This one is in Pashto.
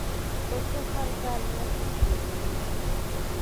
پسه هر کال نسل زیاتوي.